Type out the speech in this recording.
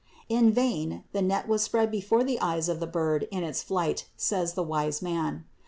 346. In vain the net is spread before the eyes of the bird in its flight, says the wise man.